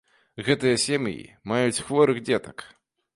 Гэтыя сем'і маюць хворых дзетак.